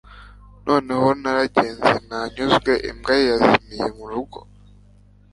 noneho naragenze nanyuze imbwa yazimiye murugo